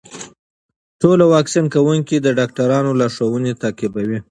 ټول واکسین کوونکي د ډاکټرانو لارښوونې تعقیبوي.